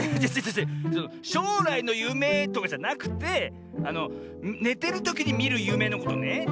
しょうらいのゆめとかじゃなくてあのねてるときにみるゆめのことね。